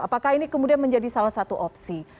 apakah ini kemudian menjadi salah satu opsi